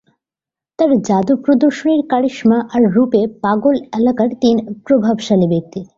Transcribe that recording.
তার যাদু প্রদর্শনীর কারিশমা আর রূপে পাগল এলাকার তিন প্রভাবশালী ব্যক্তি।